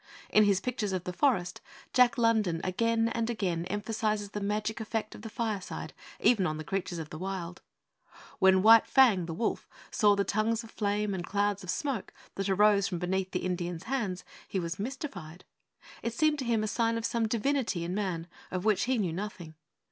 In his pictures of the forest, Jack London again and again emphasizes the magic effect of the fireside even on the creatures of the wild. When White Fang, the wolf, saw the tongues of flame and clouds of smoke that arose from beneath the Indian's hands, he was mystified. It seemed to him a sign of some divinity in man of which he knew nothing.